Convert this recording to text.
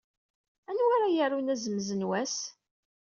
Anwa ara d-yarun azemz n wass?